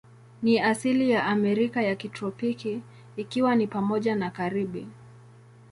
Ni asili ya Amerika ya kitropiki, ikiwa ni pamoja na Karibi.